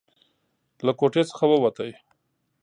له کوټې څخه ووتو.